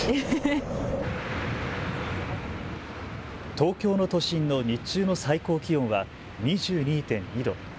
東京の都心の日中の最高気温は２２．２度。